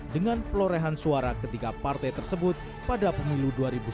dengan pelorehan suara ketiga partai tersebut pada pemilu dua ribu sembilan belas